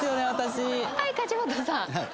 はい梶本さん。